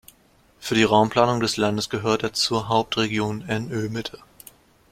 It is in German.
Für die Raumplanung des Landes gehört er zur Hauptregion NÖ-Mitte.